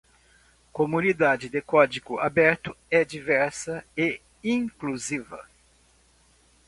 Comunidade de código aberto é diversa e inclusiva.